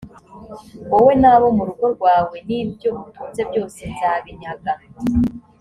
wowe n abo mu rugo rwawe n ibyo utunze byose nzabinyaga